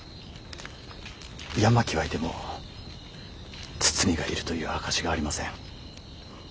山木はいても堤がいるという証しがありません。